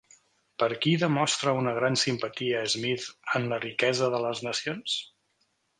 Per qui demostra una gran simpatia Smith en La riquesa de les nacions?